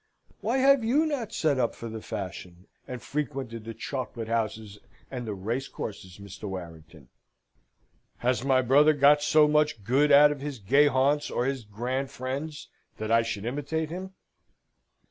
"Why have you not set up for the fashion, and frequented the chocolate houses and the racecourses, Mr. Warrington?" "Has my brother got so much good out of his gay haunts or his grand friends, that I should imitate him?"